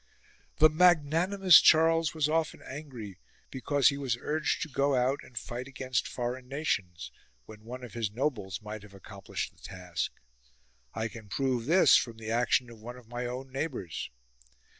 The magnanimous Charles was often angry because he was urged to go out and fight against foreign nations, when one of his nobles might have accom plished the task, I can prove this from the action of one of my own neighbours.